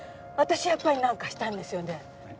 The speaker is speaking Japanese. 私やっぱりなんかしたんですよね？